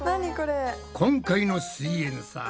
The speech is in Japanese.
今回の「すイエんサー」